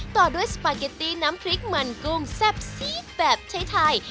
ต่อด้วยสปาเกตตี้น้ำพริกมันกุ้งแซ่บซีดแบบไทย